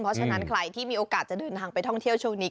เพราะฉะนั้นใครที่มีโอกาสจะเดินทางไปท่องเที่ยวช่วงนี้